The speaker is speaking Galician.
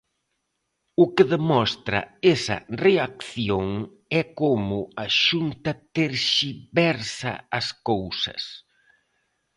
O que demostra esa reacción é como a Xunta terxiversa as cousas.